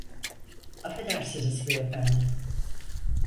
Affedersiniz beyefendi.